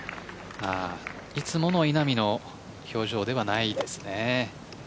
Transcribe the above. いつもの稲見の表情ではないですね。